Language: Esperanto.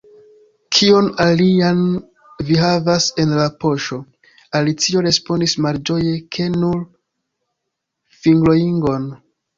“Kion alian vi havas en la poŝo?” Alicio respondis malĝoje ke “nur fingroingon.”